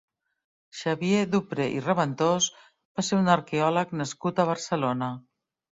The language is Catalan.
Xavier Dupré i Raventós va ser un arqueòleg nascut a Barcelona.